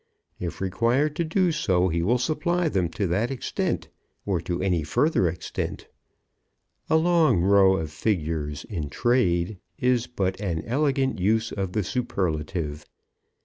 If required to do so, he will supply them to that extent, or to any further extent. A long row of figures in trade is but an elegant use of the superlative.